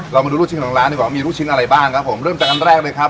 เรามาดูลูกชิ้นของร้านดีกว่ามีลูกชิ้นอะไรบ้างครับผมเริ่มจากอันแรกเลยครับ